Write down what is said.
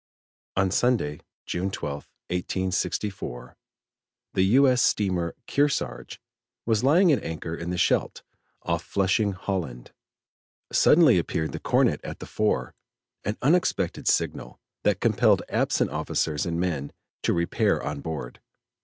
On Sunday, June 12th, 1864, the U. S. Steamer Kearsarge was lying at anchor in the Scheldt, off Flushing, Holland. Suddenly appeared the cornet at the fore an unexpected signal, that compelled absent officers and men to repair on board.